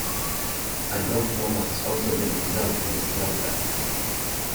A dwarf nova has also been observed in this cluster.